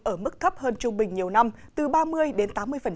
ở mức thấp hơn trung bình nhiều năm từ ba mươi đến tám mươi